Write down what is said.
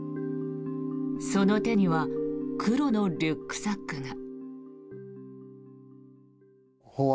その手には黒のリュックサックが。